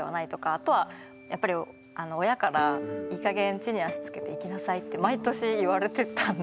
あとはやっぱり親からいいかげん地に足つけていきなさいって毎年言われてたんで。